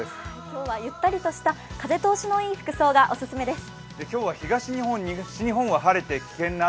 今日はゆったりとした風通しのいい服がお勧めです。